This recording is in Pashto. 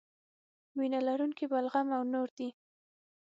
وینه لرونکي بلغم او نور دي.